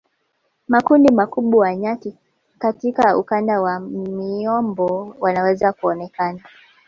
Makundi makubwa ya nyati katika ukanda wa miombo wanaweza kuonekana